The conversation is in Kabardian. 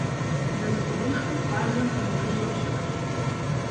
Мэз ӏувышхуи къуажэм пэмыжыжьэу щыӏэщ.